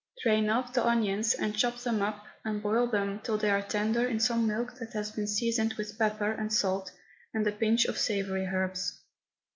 Drain off the onions, and chop them up and boil them till they are tender in some milk that has been seasoned with pepper and salt and a pinch of savoury herbs.